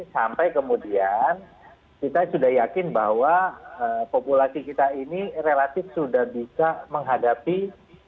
sampai kemudian kita sudah yakin bahwa populasi kita ini relatif sudah bisa menghadapi covid sembilan belas kalau terkena